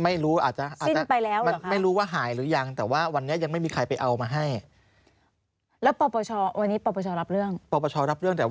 ไม่ใช่เราไม่เอามาเอามาปั้นเป็นเรามาพูดอ่า